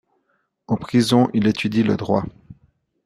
En prison, il étudie le Droit.